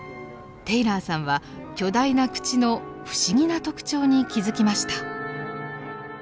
テイラーさんは巨大な口の不思議な特徴に気付きました。